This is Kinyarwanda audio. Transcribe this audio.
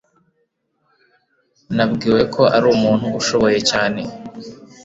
Nabwiwe ko ari umuntu ushoboye cyane